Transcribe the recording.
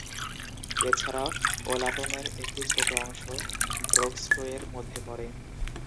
এছাড়াও ওলাটনের একটি ছোট অংশ ব্রোক্সটোয়ের মধ্যে পড়ে।